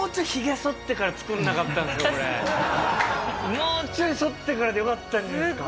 もうちょい剃ってからでよかったんじゃないですか？